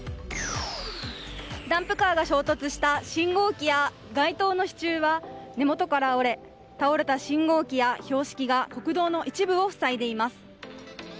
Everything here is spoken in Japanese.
ダンプカーが衝突した信号機や街灯の支柱は根元から折れ倒れた信号機や標識が国道の一部をふさいでいます。